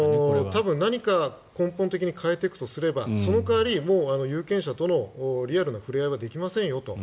多分何か根本的に変えていくとすればその代わり有権者とのリアルな触れ合いはできませんよと。